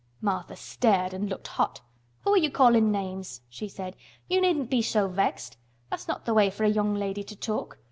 Martha stared and looked hot. "Who are you callin' names?" she said. "You needn't be so vexed. That's not th' way for a young lady to talk.